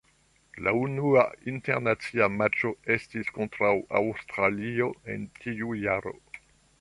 La unua internacia matĉo estis kontraŭ Aŭstralio en tiu jaro.